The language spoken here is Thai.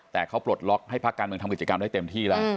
แต่เขาปลดล็อกให้พักการเมืองทำกิจกรรมได้เต็มที่แล้ว